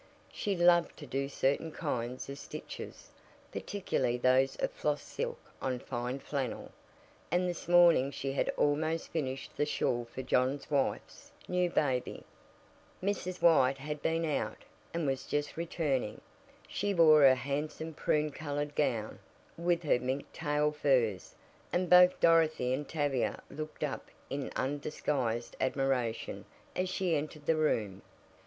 She loved to do certain kinds of stitches, particularly those of floss silk on fine flannel, and this morning she had almost finished the shawl for John's wife's new baby. Mrs. White had been out, and was just returning. She wore her handsome prune colored gown, with her mink tail furs, and both Dorothy and Tavia looked up in undisguised admiration as she entered the room.